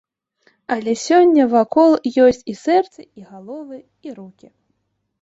Але сёння вакол ёсць і сэрцы, і галовы, і рукі.